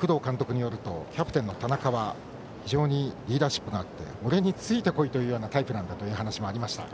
工藤監督によるとキャプテンの田中は非常にリーダーシップがあって俺についてこいというようなタイプなんだという話もありました。